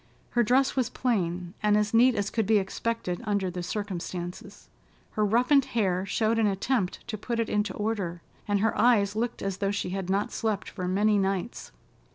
Her dress was plain, and as neat as could be expected under the circumstances. Her roughened hair showed an attempt to put it into order, and her eyes looked as though she had not slept for many nights.